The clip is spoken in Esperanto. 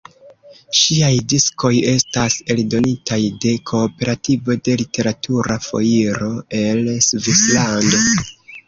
Ŝiaj diskoj estas eldonitaj de Kooperativo de Literatura Foiro, el Svislando.